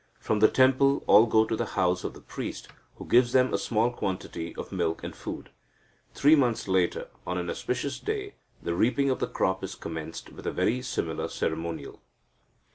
From the temple all go to the house of the priest, who gives them a small quantity of milk and food. Three months later, on an auspicious day, the reaping of the crop is commenced with a very similar ceremonial.